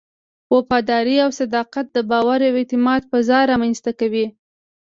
وفاداري او صداقت د باور او اعتماد فضا رامنځته کوي.